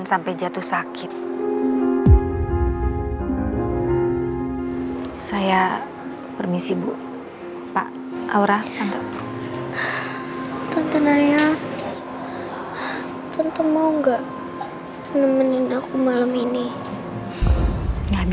sampai jumpa di video selanjutnya